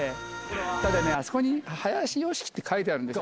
ただね、あそこにハヤシヨシキって書いてあるんです。